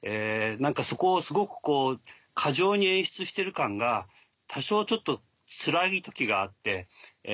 何かそこをすごく過剰に演出してる感が多少ちょっとつらい時があって。